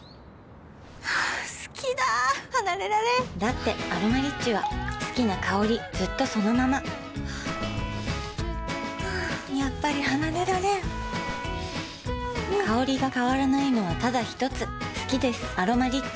好きだ離れられんだって「アロマリッチ」は好きな香りずっとそのままやっぱり離れられん香りが変わらないのはただひとつ好きです「アロマリッチ」